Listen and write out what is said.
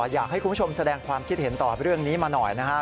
อยากให้คุณผู้ชมแสดงความคิดเห็นต่อเรื่องนี้มาหน่อยนะฮะ